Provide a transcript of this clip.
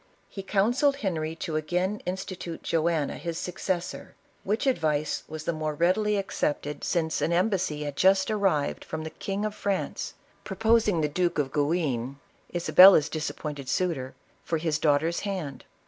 He counselled Henry to again institute Joanna his successor, which advice was the more readily ao 70 ISABELLA. OF CASTILE. cepled since an embnssy bad just arrived from the King of France, proposing the Duke of Guienne, Isabella's disappointed suitor, for liis daughter's hand.